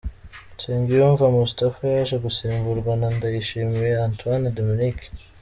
Nsengiyumva Moustapha yaje gusimburwa na Ndayishimiye Antoine Dominique.